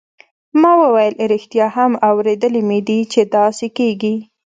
ما وویل ریښتیا هم اوریدلي مې دي چې داسې کیږي.